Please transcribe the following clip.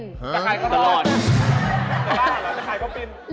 จะคายก็รอดจะบ้านแล้วจะคายก็ปิ้นค่ะตอนนี้